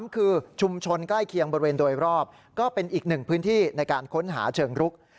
คือชุมชนใกล้เคียงบริเวณโดยรอบก็เป็นอีกหนึ่งพื้นที่ในการค้นหาเชิงรุก